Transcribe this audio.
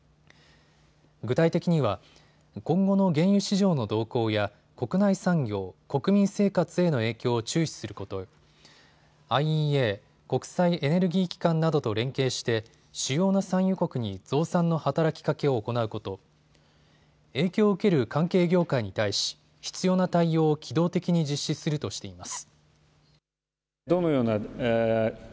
具体的には今後の原油市場の動向や国内産業、国民生活への影響を注視すること、ＩＥＡ・国際エネルギー機関などと連携して主要な産油国に増産の働きかけを行うこと、影響を受ける関係業界に対し必要な対応を機動的に実施するとしています。